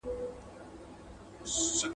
انسان د یو ټولنیز موجود په توګه مطالعه کیږي.